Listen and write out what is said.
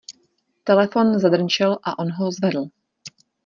Telefon zadrnčel a on ho zvedl.